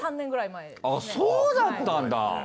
そうだったんだ！